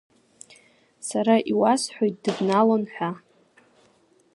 Сара иуасҳәеит дыбналон ҳәа…